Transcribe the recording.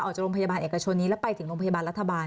ออกจากโรงพยาบาลเอกชนนี้แล้วไปถึงโรงพยาบาลรัฐบาล